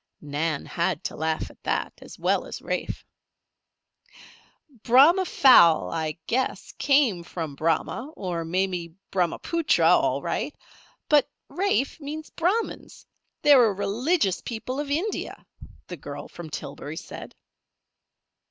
Nan had to laugh at that as well as Rafe. "Brahma fowl, I guess, came from Brahma, or maybe Brahmaputra, all right. But Rafe means Brahmans. They're a religious people of India," the girl from Tillbury said.